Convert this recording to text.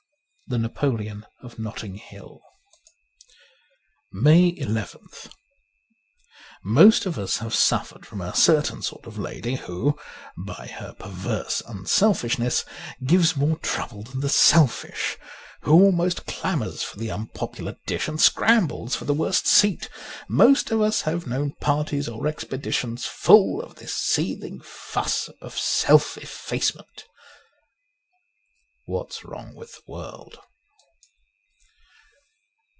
' The Napoleon of Notting Hill.' 142 MAY nth MOST of us have suffered from a certain sort of lady who, by her perverse unselfishness, gives more trouble than the selfish ; who almost clamours for the unpopular dish and scrambles for the worst seat. Most of us have known parties or expeditions full of this seething fuss of self effacement. ' fV hat's Wrong with the World.''